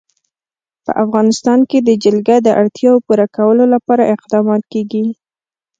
په افغانستان کې د جلګه د اړتیاوو پوره کولو لپاره اقدامات کېږي.